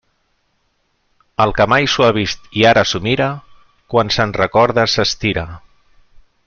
El que mai s'ho ha vist i ara s'ho mira, quan se'n recorda s'estira.